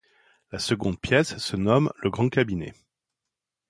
La seconde pièce se nomme le grand cabinet.